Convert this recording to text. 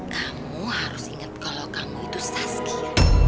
kamu harus ingat kalau kamu itu saski